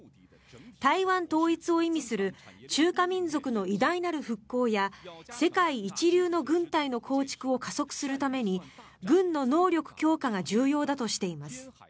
台湾統一を意味する中華民族の偉大なる復興や世界一流の軍隊の構築を加速するために軍の能力強化が重要だとしています。